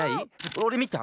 おれみた！